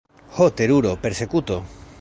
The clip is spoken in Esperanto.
ho, teruro: persekuto!